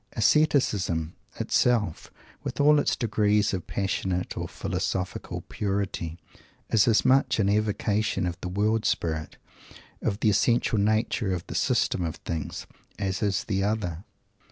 Ascetism itself, with all its degrees of passionate or philosophical purity, is as much an evocation of the world spirit of the essential nature of the System of Things as is the other.